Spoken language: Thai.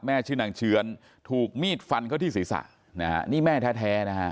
ชื่อนางเชื้อนถูกมีดฟันเข้าที่ศีรษะนะฮะนี่แม่แท้นะฮะ